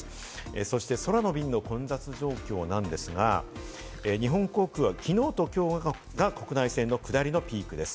そして空の便の混雑状況なんですが、日本航空は昨日と今日の国内線の下りのピークです。